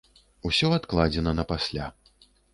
Усё адкладзена на пасля.